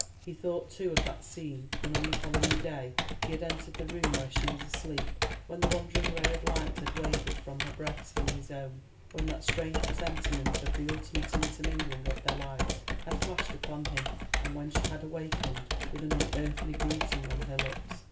He thought, too, of that scene when on the following day he had entered the room where she was asleep, when the wandering ray of light had wavered from her breast to his own, when that strange presentiment of the ultimate intermingling of their lives had flashed upon him, and when she had awakened with an unearthly greeting on her lips.